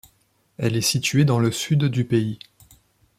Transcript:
Elle est située dans le sud du pays.